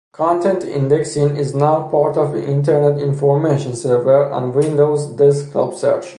Content Indexing is now a part of Internet Information Server and Windows Desktop Search.